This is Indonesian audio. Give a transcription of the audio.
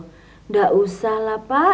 tidak usahlah pak